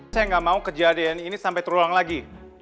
saya nggak mau kejadian ini sampai terulang lagi